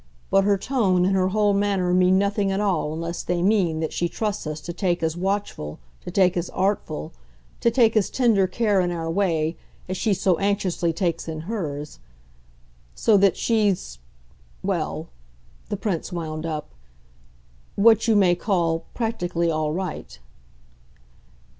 But her tone and her whole manner mean nothing at all unless they mean that she trusts us to take as watchful, to take as artful, to take as tender care, in our way, as she so anxiously takes in hers. So that she's well," the Prince wound up, "what you may call practically all right."